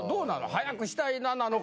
早くしたいななのか。